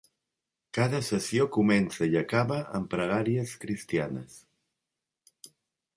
Cada sessió comença i acaba amb pregàries cristianes.